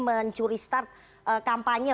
mencuri start kampanye